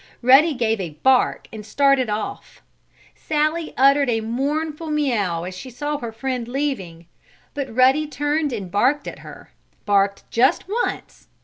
Ruddy gave a bark and started off. Sallie uttered a mournful meaouw as she saw her friend leaving. But Ruddy turned and barked at her barked just once.